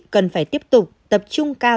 cần phải tiếp tục tập trung cao